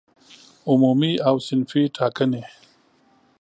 عمومي او صنفي ټاکنې